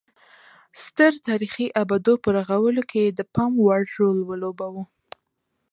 ستر تاریخي ابدو په رغولو کې یې د پام وړ رول ولوباوه